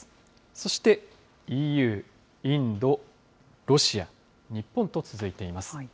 そしてＥＵ、インド、ロシア、日本と続いています。